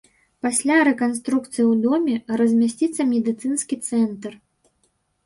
Пасля рэканструкцыі ў доме размясціцца медыцынскі цэнтр.